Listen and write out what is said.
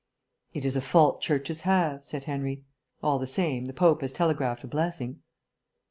"It is a fault churches have," said Henry. "All the same, the Pope has telegraphed a blessing."